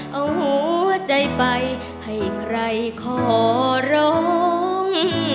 เอาหัวใจไปให้ใครขอร้อง